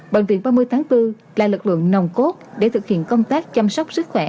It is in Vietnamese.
bệnh viện ba mươi tháng bốn là lực lượng nồng cốt để thực hiện công tác chăm sóc sức khỏe